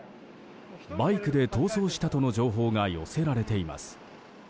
バイクで逃走したとの情報が寄せられています。